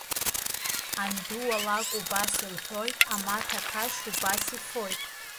Анду алакә убас илҳәоит, амаҭа ақашь убас ифоит…